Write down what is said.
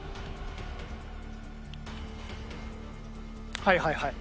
はいはいはい。